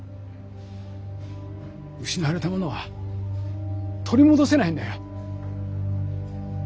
失われたものは取り戻せないんだよ。